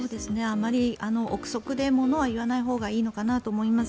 あまり臆測で物は言わないほうがいいのかなと思います。